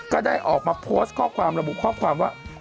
ก็ได้ออกมาโพสต์ข้อความระบุข้อความว่า